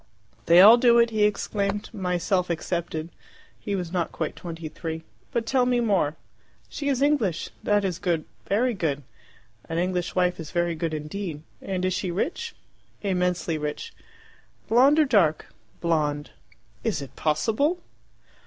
"They all do it," he exclaimed, "myself excepted." He was not quite twenty three. "But tell me more. She is English. That is good, very good. An English wife is very good indeed. And she is rich?" "Immensely rich." "Blonde or dark?" "Blonde." "Is it possible!"